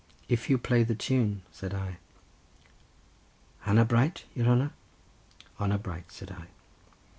"If you play the tune," said I. "Hanner bright, your hanner?" "Honour bright," said I.